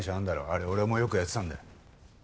あれ俺もよくやってたんだよ。